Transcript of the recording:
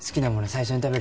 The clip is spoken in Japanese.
最初に食べる人？